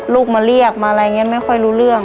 ลูกมาเรียกมาอะไรอย่างนี้ไม่ค่อยรู้เรื่อง